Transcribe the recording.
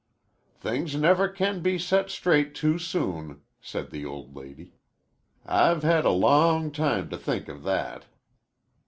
"Things never can be set straight too soon," said the old lady. "I've had a long time to think of that."